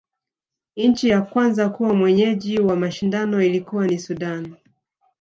nchi ya kwanza kuwa mwenyeji wa mashindano ilikua ni sudan